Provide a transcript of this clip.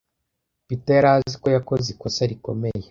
Peter yari azi ko yakoze ikosa rikomeye.